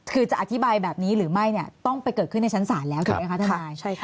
คือจะอธิบายแบบนี้หรือไม่เนี่ยต้องไปเกิดขึ้นในชั้นศาลแล้วถูกไหมคะทนาย